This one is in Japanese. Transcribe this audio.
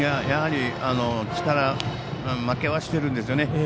やはり力負けはしてるんですね。